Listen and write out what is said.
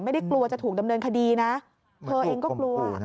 ไม่ได้กลัวจะถูกดำเนินคดีนะเธอเองก็กลัวมันถูกกลมขู่เนอะ